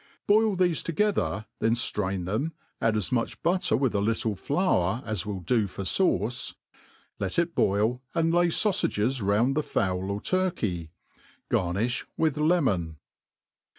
Boil thefe together, then ftrain them| add as much butter with a little flour as will do for fauce ; let it boil, and lay.faufages round the fowl or turkey. Garnifl^ with lemon.